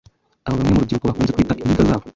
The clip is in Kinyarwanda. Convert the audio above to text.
abo bamwe mu rubyiruko bakunze kwita ‘Iniga’ zabo